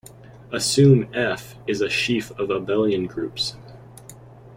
Assume "F" is a sheaf of abelian groups.